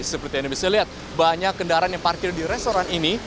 seperti anda bisa lihat banyak kendaraan yang parkir di restoran ini